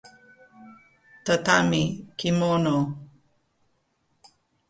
Tatami, quimono...